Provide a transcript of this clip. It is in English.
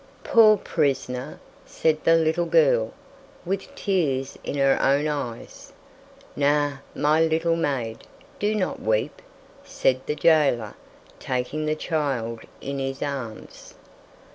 "Poor prisoner!" said the little girl, with tears in her own eyes. "Nay, my little maid, do not weep," said the jailer, taking the child in his arms.